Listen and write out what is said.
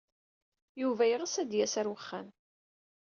Yuba yeɣs ad d-yas ɣer uxxam.